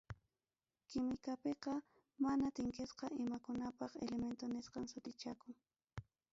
Quimicapiqa mana tinkisqa imakunapaq elemento nisqan sutichakun.